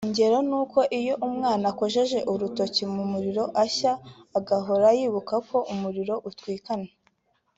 Ingero ni uko iyo umwana akojeje urutoki mu muriro ashya agahora yibuka ko umuriro utwikana